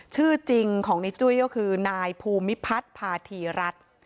ชื่อจริงของในจุ้ยก็คือนายภูมิพัฒน์พาธีรัฐ